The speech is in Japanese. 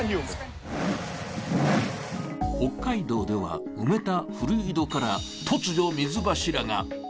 北海道では埋めた古井戸から突如、水柱が。